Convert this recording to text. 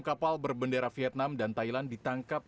kapal berbendera vietnam dan thailand ditangkap